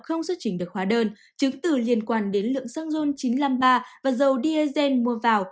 không xuất trình được khóa đơn chứng tử liên quan đến lượng xăng rôn chín trăm năm mươi ba và dầu diesel mua vào